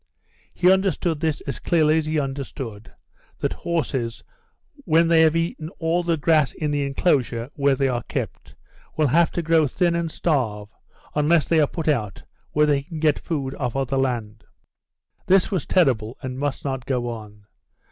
He understood this as clearly as he understood that horses when they have eaten all the grass in the inclosure where they are kept will have to grow thin and starve unless they are put where they can get food off other land. This was terrible, and must not go on.